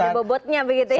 ada bobotnya begitu ya